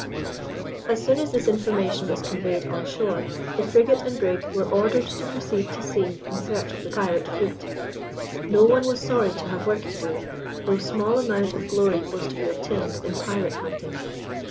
As soon as this information was conveyed on shore, the frigate and brig were ordered to proceed to sea in search of the pirate fleet. No one was sorry to have work to do, though small amount of glory was to be obtained in pirate hunting.